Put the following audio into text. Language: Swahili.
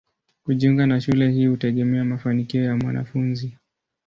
Kujiunga na shule hii hutegemea mafanikio ya mwanafunzi.